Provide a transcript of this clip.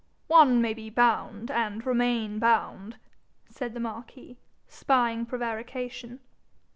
'One may be bound and remain bound,' said the marquis, spying prevarication.